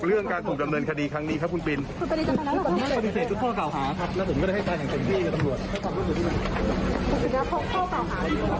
แล้วผมก็ได้ให้การแข่งทางที่กับตำรวจ